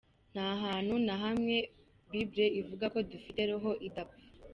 Nta hantu na hamwe Bible ivuga ko dufite Roho idapfa.